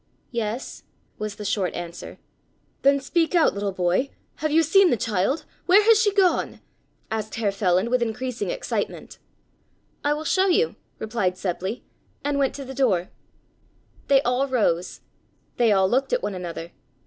"Yes," was the short answer. "Then speak out, little boy! Have you seen the child? Where has she gone?" asked Herr Feland with increasing excitement. "I will show you," replied Seppli, and went to the door. They all rose. They all looked at one another.